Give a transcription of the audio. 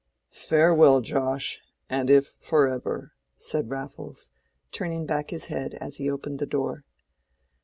"Farewell, Josh—and if forever!" said Raffles, turning back his head as he opened the door.